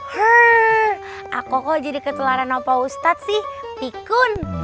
hrrr aku kok jadi kecelaran opa ustadz sih pikun